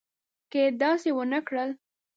که یې داسې ونه کړل.